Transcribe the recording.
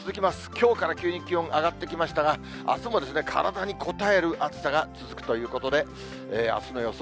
きょうから急に気温上がってきましたが、あすも体にこたえる暑さが続くということで、あすの予想